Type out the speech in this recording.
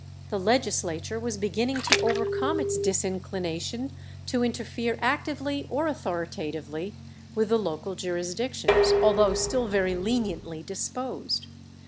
The legislature was beginning to overcome its disinclination to interfere actively or authoritatively with the local jurisdictions, although still very leniently disposed.